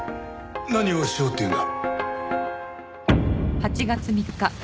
何をしようっていうんだ？